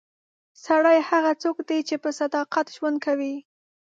سړی هغه څوک دی چې په صداقت ژوند کوي.